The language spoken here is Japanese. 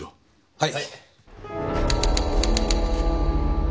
はい。